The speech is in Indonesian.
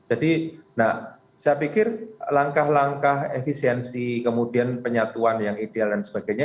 jadi nah saya pikir langkah langkah efisiensi kemudian penyatuan yang ideal dan sebagainya